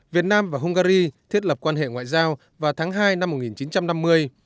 việt nam và hungary thiết lập quan hệ ngoại giao vào tháng hai năm một nghìn chín trăm năm mươi